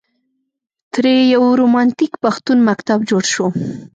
ترې یو رومانتیک پښتون مکتب جوړ شو.